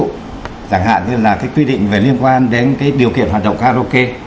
chẳng hạn như là cái quy định về liên quan đến cái điều kiện hoạt động karaoke